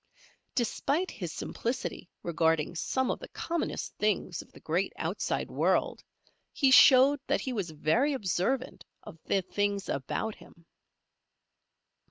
Despite his simplicity regarding some of the commonest things of the great outside world, he showed that he was very observant of the things about him.